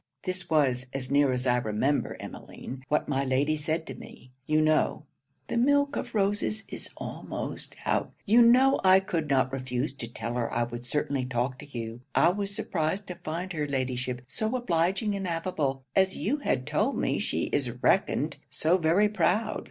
This was, as near as I remember, Emmeline, what my Lady said to me. You know [the milk of roses is almost out] you know I could not refuse to tell her I would certainly talk to you. I was surprised to find her Ladyship so obliging and affable, as you had told me she is reckoned so very proud.